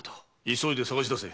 急いで探しだせ。